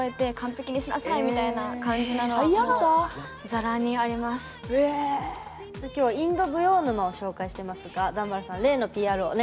さあ今日は「インド舞踊沼」を紹介してますが段原さん例のＰＲをお願いします。